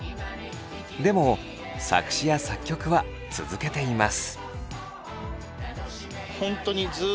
でも作詞や作曲は続けています。